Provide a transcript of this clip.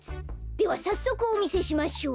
ではさっそくおみせしましょう。